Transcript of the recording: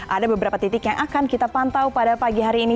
ada beberapa titik yang akan kita pantau pada pagi hari ini